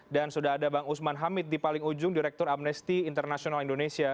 dan sudah ada bang usman hamid di paling ujung direktur amnesty international indonesia